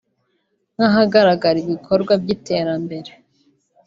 nk’ahagaragara ibikorwa by’iterambere